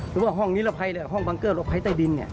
หรือว่าห้องนิรภัยห้องบังเกอร์หลบภัยใต้ดิน